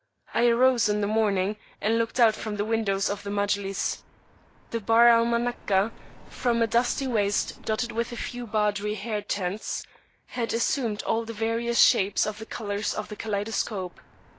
I arose in the morning, and looked out from the windows of the Majlis. The Barr al Manakhah, from a dusty waste dotted with a few Badawi hair tents, had assumed all the various shapes and the colours of a kaleidoscope.